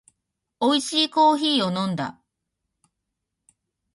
おいしいコーヒーを飲んだ